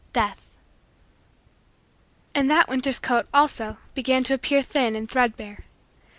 DEATH And that winter's coat, also, began to appear thin and threadbare.